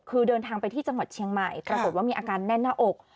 คือเดินทางไปที่จังหวัดเชียงใหม่ปรากฏว่ามีอาการแน่นหน้าอก